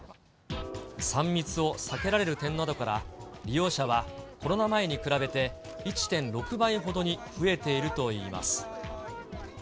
３密を避けられる点などから、利用者はコロナ前に比べて、１．６倍ほどに増えているといいます。